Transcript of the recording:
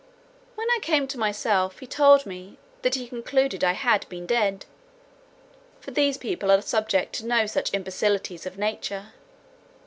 When I came to myself, he told me "that he concluded I had been dead;" for these people are subject to no such imbecilities of nature.